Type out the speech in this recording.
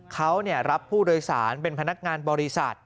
เขารับผู้โดยสารเป็นพนักงานบริษัท